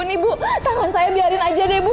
nih bu tahun saya biarin aja deh bu